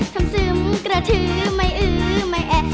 ซึมกระทืไม่อื้อไม่แอ